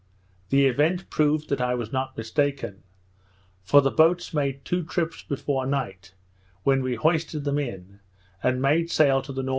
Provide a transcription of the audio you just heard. The event proved that I was not mistaken; for the boats made two trips before night, when we hoisted them in, and made sail to the N.W.